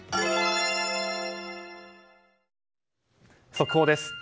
速報です。